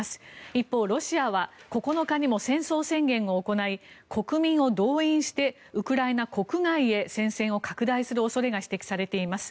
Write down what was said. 一方、ロシアは９日にも戦争宣言を行い国民を動員してウクライナ国外へ戦線を拡大する恐れが指摘されています。